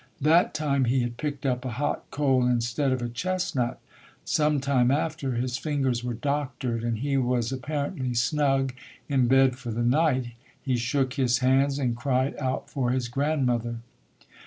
That time he had picked up a hot coal instead of a chestnut. Some time after his fingers were "doctored" and he was apparently snug in bed for the night, he shook his hands and cried out for his grandmother.